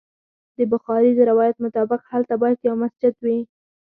د بخاري د روایت مطابق هلته باید یو مسجد وي.